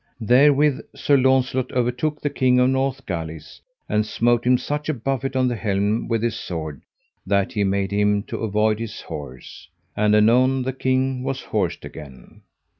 Therewith Sir Launcelot overtook the King of Northgalis, and smote him such a buffet on the helm with his sword that he made him to avoid his horse; and anon the king was horsed again.